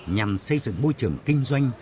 nhằm xây dựng môi trường kinh doanh